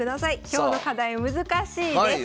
今日の課題難しいです。